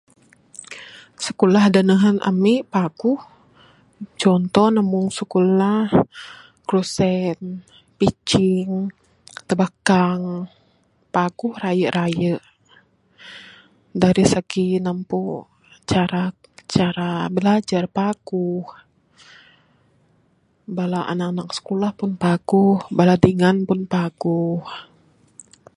Skulah da nehen ami paguh contoh ne meng skulah krusen, pichin, tebekang paguh raye raye dari segi ne ampu cara cara bilajar paguh bala anak anak skulah pun paguh bala dingan pun paguh